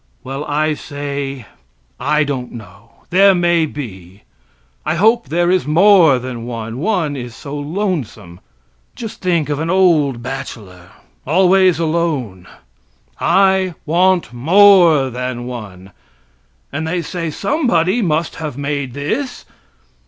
Well, I say I don't know. There may be. I hope there is more than one one is so lonesome. Just think of an old bachelor, always alone! I want more than one. And they say, somebody must have made this!